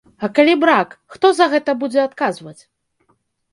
А калі брак, хто за гэта будзе адказваць?